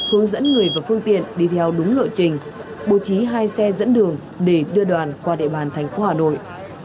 hướng dẫn người và phương tiện đi theo đúng lộ trình bố trí hai xe dẫn đường để đưa đoàn qua địa bàn thành phố hà nội